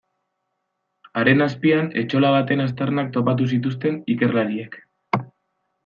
Haren azpian etxola baten aztarnak topatu zituzten ikerlariek.